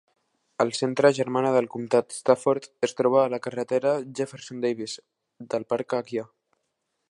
El centre Germanna del comtat d'Stafford es troba a la carretera Jefferson Davis del parc Aquia.